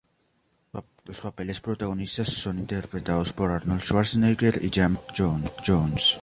Los papeles protagonistas son interpretados por Arnold Schwarzenegger y James Earl Jones.